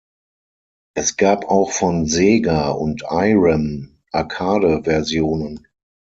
Es gab auch von Sega und Irem Arcade-Versionen.